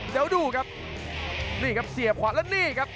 เดี๋ยวดูครับนี่ครับเสียบขวาแล้วนี่ครับ